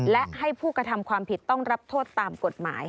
และให้ผู้กระทำความผิดต้องรับโทษตามกฎหมาย